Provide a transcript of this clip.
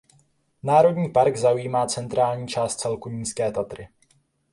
Národní park zaujímá centrální část celku Nízké Tatry.